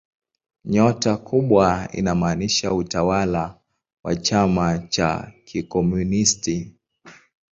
Nyota kubwa inamaanisha utawala wa chama cha kikomunisti.